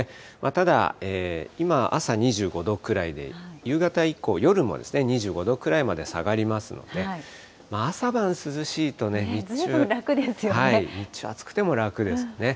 ただ、今、朝２５度ぐらいで、夕方以降、夜も２５度くらいまで下がりますので、朝晩涼しいとね、日中、暑くても楽ですね。